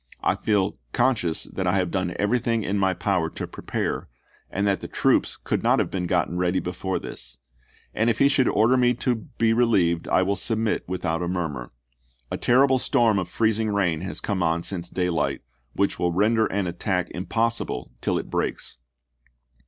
I feel conscious that I have done everything in my power to prepare, and that the troops could not have been gotten ready before this. And if he should order me to be relieved I will submit without a VanHorne) murmur. A terrible storm of freezing rain has "t?iSArm££ come on since daylight, which will render an attack °be?iand™" impossible till it breaks."